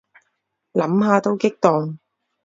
諗下都激動